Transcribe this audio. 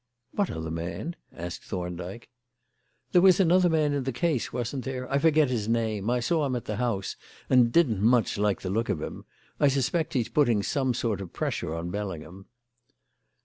"What other man?" asked Thorndyke. "There was another man in the case, wasn't there? I forget his name. I saw him at the house and didn't much like the look of him. I suspect he's putting some sort of pressure on Bellingham."